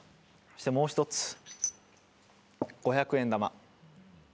そして、もう１つ、五百円玉。